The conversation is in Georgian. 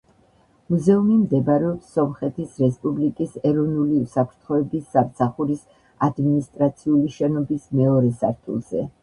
მუზეუმი მდებარეობს სომხეთის რესპუბლიკის ეროვნული უსაფრთხოების სამსახურის ადმინისტრაციული შენობის მეორე სართულზე.